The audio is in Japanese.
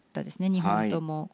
２本とも。